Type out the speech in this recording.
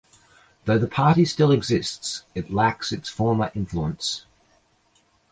Though the party still exists, it lacks its former influence.